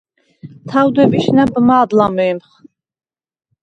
თაუ̂დებიშ ნა̈ბ მად ლამემხ.